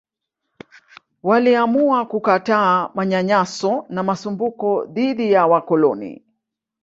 Waliamua kukataa manyanyaso na masumbuko dhidi ya wakoloni